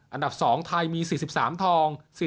อันดับ๒ไทยมี๔๓ทอง